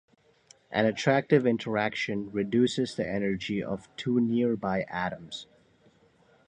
An attractive interaction reduces the energy of two nearby atoms.